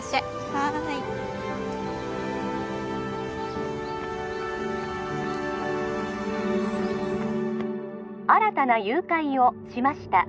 はい☎新たな誘拐をしました